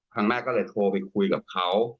ครั้งแรกก็เลยโทรไปคุยกับเขา